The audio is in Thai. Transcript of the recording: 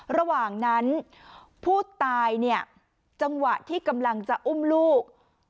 ระหว่างนั้นผู้ตายเนี่ยจังหวะที่กำลังจะอุ้มลูก